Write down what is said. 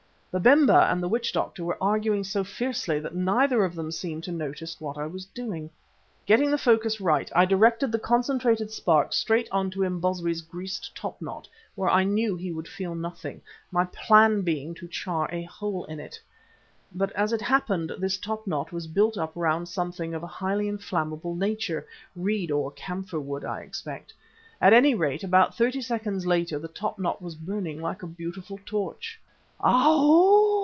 Babemba and the witch doctor were arguing so fiercely that neither of them seemed to notice what I was doing. Getting the focus right, I directed the concentrated spark straight on to Imbozwi's greased top knot, where I knew he would feel nothing, my plan being to char a hole in it. But as it happened this top knot was built up round something of a highly inflammable nature, reed or camphor wood, I expect. At any rate, about thirty seconds later the top knot was burning like a beautiful torch. "_Ow!